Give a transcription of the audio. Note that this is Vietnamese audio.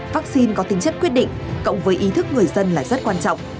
vaccine có tính chất quyết định cộng với ý thức người dân là rất quan trọng